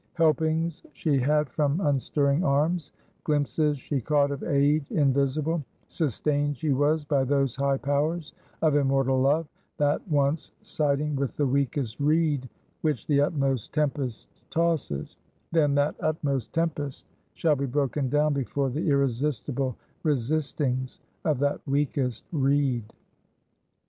Helpings she had from unstirring arms; glimpses she caught of aid invisible; sustained she was by those high powers of immortal Love, that once siding with the weakest reed which the utmost tempest tosses; then that utmost tempest shall be broken down before the irresistible resistings of that weakest reed.